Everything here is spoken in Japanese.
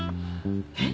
えっ？